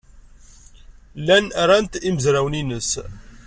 Llan ran-t yimezrawen-nnes.